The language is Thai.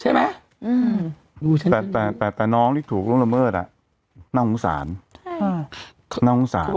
ใช่ไหมอืมแต่แต่แต่น้องที่ถูกลงละเมิดอ่ะน่าโง่สารใช่น่าโง่สาร